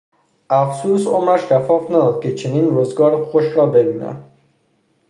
افسوس عمرش کفاف نداد که چنین روزگار خوش را ببیند.